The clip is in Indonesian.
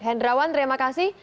hendrawan terima kasih